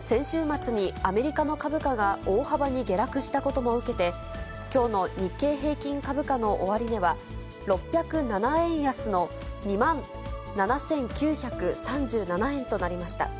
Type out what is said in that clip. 先週末にアメリカの株価が大幅に下落したことも受けて、きょうの日経平均株価の終値は、６０７円安の２万７９３７円となりました。